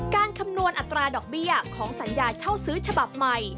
คำนวณอัตราดอกเบี้ยของสัญญาเช่าซื้อฉบับใหม่